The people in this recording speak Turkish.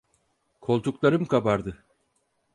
Koltuklarım kabardı.